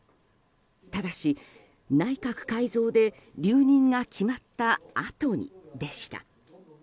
ただし、内閣改造で留任が決まったあとにでした。